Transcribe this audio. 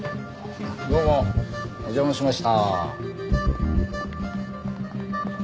どうもお邪魔しました。